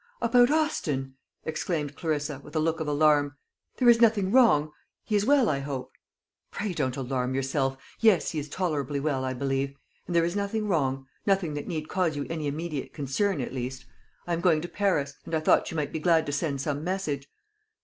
"About Austin!" exclaimed Clarissa, with a look of alarm. "There is nothing wrong he is well, I hope?" "Pray don't alarm yourself. Yes, he is tolerably well, I believe; and there is nothing wrong nothing that need cause you any immediate concern at least. I am going to Paris, and I thought you might be glad to send some message."